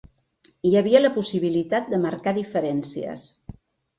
Hi havia la possibilitat de marcar diferències.